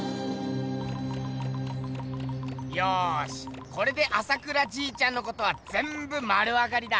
よしこれで朝倉じいちゃんのことはぜんぶ丸わかりだ！